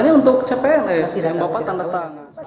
katanya untuk cpns yang bapak tangga tangga